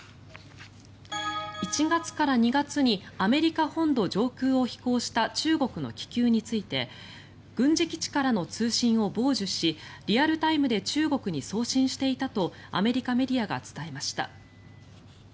１月から２月にアメリカ本土上空を飛行した中国の気球について軍事基地からの通信を傍受しリアルタイムで中国に送信していたとアメリカメディアが伝えました。